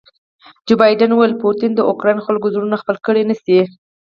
جو بایډن وویل پوټین د اوکراین خلکو زړونه خپل کړي نه شي.